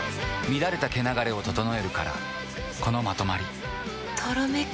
乱れた毛流れを整えるからこのまとまりとろめく。